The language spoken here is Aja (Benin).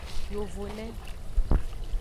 Yovone.